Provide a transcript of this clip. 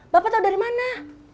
bapak tau dari mana